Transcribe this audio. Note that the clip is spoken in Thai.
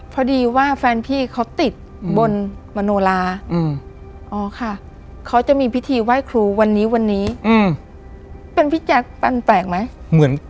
พอดีว่าแฟนพี่เขาติดบนมโนลาอ๋อค่ะเขาจะมีพิธีไหว้ครูวันนี้เป็นพิจารณ์แปลกไหม